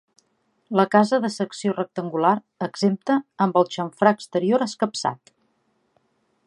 La casa de secció rectangular, exempta, amb el xamfrà exterior escapçat.